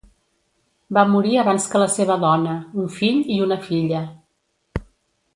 Va morir abans que la seva dona, un fill i una filla.